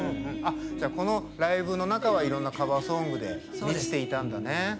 じゃあこのライブの中はいろんなカバーソングで見せていたんだね。